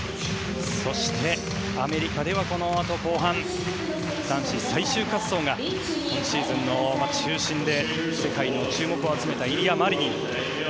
そして、アメリカではこのあと、後半男子最終滑走が今シーズンの中心で世界の注目を集めたイリア・マリニン。